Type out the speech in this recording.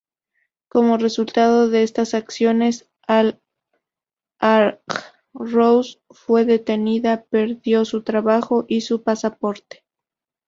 Como resultado de estas acciones, al-Ajroush fue detenida, perdió su trabajo y su pasaporte.